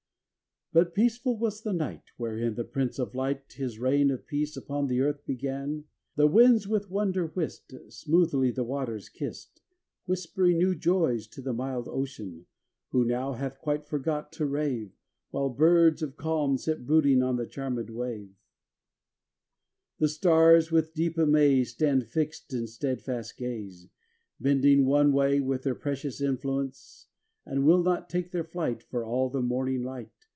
V But peaceful was the night Wherein the Prince of Light His reign of peace upon the earth began. The winds, with wonder whist, Smoothly the waters kissed, Whispering new joys to the mild Ocean, Who now hath quite forgot to rave, While birds of calm sit brooding on the charmed wave. 587 PALESTINE VI The stars, with deep amaze, Stand fixed in steadfast gaze. Bending one way their precious influence, And will not take their flight, For all the morning light.